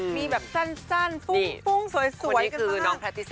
มีแบบสั้นฟุ้งสวยกันบ้าง